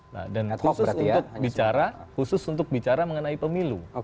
nah khusus untuk bicara mengenai pemilu